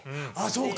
そうか。